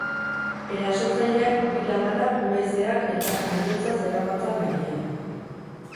Erasotzaileak bi labana, guraizeak eta aihotza zeramatzan gainean.